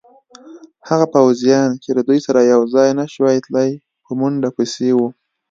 هغه پوځیان چې له دوی سره یوځای نه شوای تلای، په منډه پسې وو.